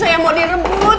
suami saya mau direbut